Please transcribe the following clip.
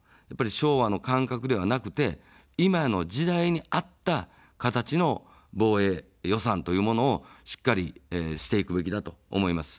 昭和の感覚ではなくて、今の時代に合った形の防衛予算というものをしっかりしていくべきだと思います。